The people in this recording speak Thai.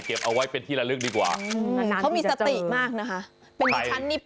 เก็บเอาไว้เป็นที่ละลึกดีกว่าเขามีสติมากนะฮะ